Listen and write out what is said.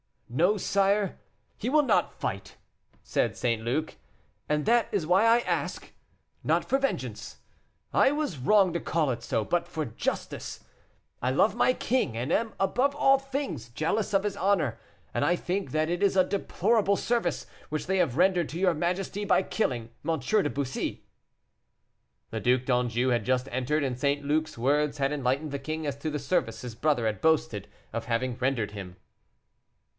"No, sire, he will not fight," said St. Luc; "and that is why I ask, not for vengeance I was wrong to call it so but for justice. I love my king, and am, above all things, jealous of his honor, and I think that it is a deplorable service which they have rendered to your majesty by killing M. de Bussy." The Duc d'Anjou had just entered, and St. Luc's words had enlightened the king as to the service his brother had boasted of having rendered him.